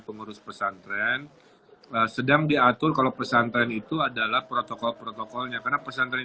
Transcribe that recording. pengurus pesantren sedang diatur kalau pesantren itu adalah protokol protokolnya karena pesantren